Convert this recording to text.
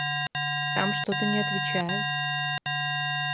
– Там что-то не отвечают.